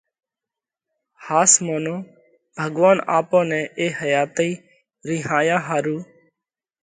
ۿاس مونو ڀڳوونَ آپون نئہ اي حياتئِي رِينهايا ۿارُو،